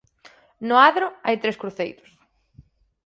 No adro hai tres cruceiros.